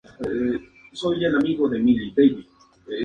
La batalla de Port Arthur marcó el inicio de la guerra ruso-japonesa.